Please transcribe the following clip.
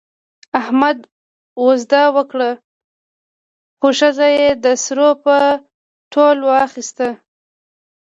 احمد وزده وکړه، خو ښځه یې د سرو په تول واخیسته.